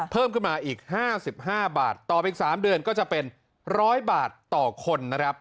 เพิ่มขึ้นมาอีก๕๕บาทต่อไปอีก๓เดือนก็จะเป็น๑๐๐บาทต่อคนนะครับ